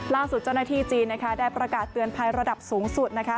ล่าสุดเจ้าหน้าที่จีนได้ประกาศเตือนภัยระดับสูงสุดนะคะ